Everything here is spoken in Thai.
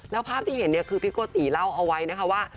แล้วภาพที่เห็นเนี่ยคือพี่โกติเล่าเอาไว้นะคะว่า